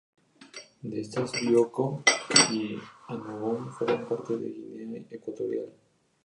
De estas, Bioko y Annobón forman parte de Guinea Ecuatorial.